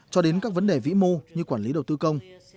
cho đến các vấn đề vĩ mô như quản lý đầu tư công